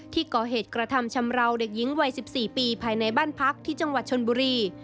ที่ก่อเหตุกระทำชำราวเด็กหญิงวัย๑๔ปีภายในบ้านพักที่จังหวัดชนบุรี